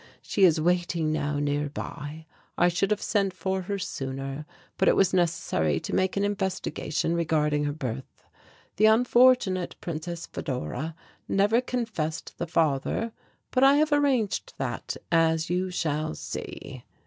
She is waiting now nearby. I should have sent for her sooner, but it was necessary to make an investigation regarding her birth. The unfortunate Princess Fedora never confessed the father. But I have arranged that, as you shall see."